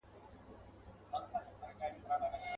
لا به تر څو د کربلا له تورو.